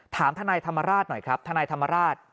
ถามทนายธรรมราชหน่อยครับทนายธรรมราช